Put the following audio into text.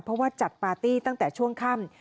เพราะว่าจัดปาร์ตี้ตั้งแต่ช่วงค่ำ